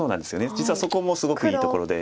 実はそこもすごくいいところで。